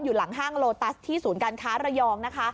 อยู่หลังห้างโลตัสที่ศูนย์การค้าระยอง